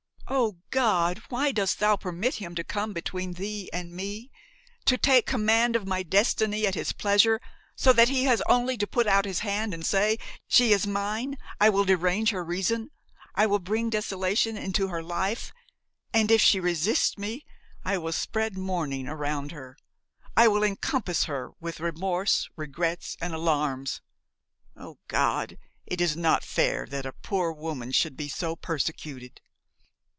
O God! why dost Thou permit him to come between Thee and me, to take command of my destiny at his pleasure, so that he has only to put out his hand and say: 'She is mine! I will derange her reason, I will bring desolation into her life; and if she resists me I will spread mourning around her, I will encompass her with remorse, regrets and alarms!' O God! it is not fair that a poor woman should be so persecuted!"